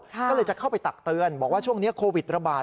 ก็เลยจะเข้าไปตักเตือนบอกว่าช่วงนี้โควิดระบาด